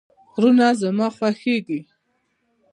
غرونه زما خوښیږي